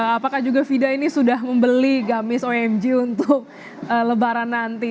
apakah juga fida ini sudah membeli gamis omg untuk lebaran nanti